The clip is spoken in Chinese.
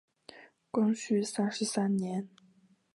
光绪三十三年。